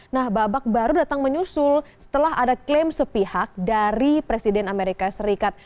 nah babak baru datang menyusul setelah ada klaim sepihak dari presiden amerika serikat